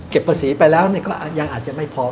ภาษีไปแล้วก็ยังอาจจะไม่พอ